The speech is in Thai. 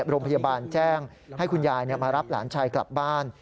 โรงพยาบาลแจ้งให้คุณยายมารับหลานชายกลับบ้าน